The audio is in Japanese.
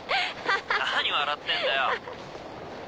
何笑ってんだよ！